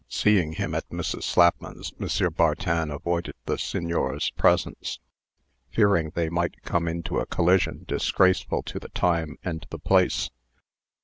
Seeing him at Mrs. Slapman's, M. Bartin avoided the Signer's presence, fearing they might come into a collision disgraceful to the time and the place.